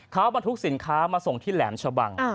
เขาบรรทุกสินค้ามาส่งที่แหลมชะบัง